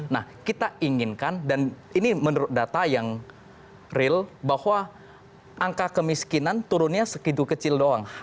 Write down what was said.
nah kita inginkan dan ini menurut data yang real bahwa angka kemiskinan turunnya sekidu kecil doang